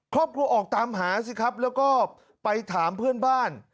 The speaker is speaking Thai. ครอบครัวออกตามหาสิครับแล้วก็ไปถามเพื่อนบ้าน